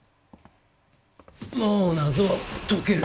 もう謎は解ける。